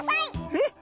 えっ？